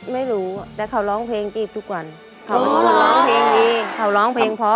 ไม่รู้แต่เขาร้องเพลงจีบทุกวันเขาร้องเพลงพอ